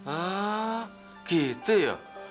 ah gitu ya